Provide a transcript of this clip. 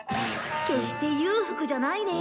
決して裕福じゃないね。